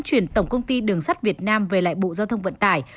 chuyển tổng công ty đường sắt việt nam về lại bộ giao thông vận tải